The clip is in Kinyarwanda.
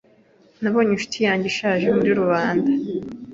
Nabonye inshuti yanjye ishaje muri rubanda.